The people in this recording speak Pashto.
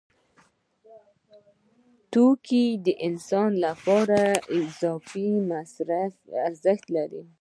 توکي د انسان لپاره مصرفي ارزښت لري.